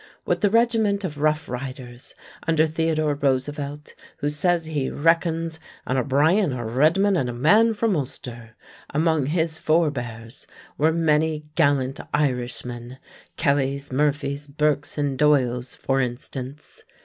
With the regiment of Rough Riders, under Theodore Roosevelt who says he reckons "an O'Brien, a Redmond, and a man from Ulster" among his for bears were many gallant Irishmen Kellys, Murphys, Burkes, and Doyles, for instance.